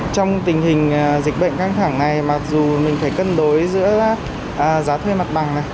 trong tình hình dịch bệnh căng thẳng này mặc dù mình phải cân đối giữa giá thuê mặt bằng này